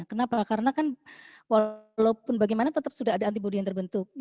kenapa karena kan walaupun bagaimana tetap sudah ada antibody yang terbentuk